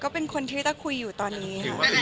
เป็นคนที่ริตะคุยอยู่ตอนนี้